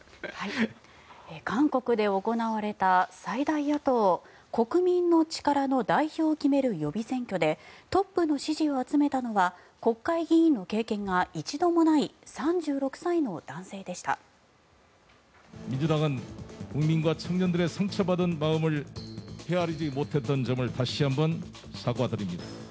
韓国で行われた最大野党・国民の力の代表を決める予備選挙でトップの支持を集めたのは国会議員の経験が一度もない３６歳の男性でした。